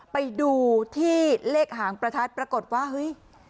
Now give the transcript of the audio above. ไปดูที่เลขหางประทัดปรากฏว่าเฮ้ย